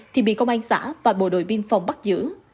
thì bị công an xã và bộ đội biên phòng bắt giữ